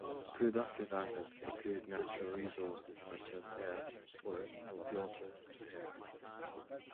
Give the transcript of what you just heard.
Productive assets include natural resources, such as earth, forest, water, air.